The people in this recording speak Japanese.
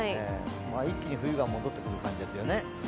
一気に冬が戻ってくる感じですよね。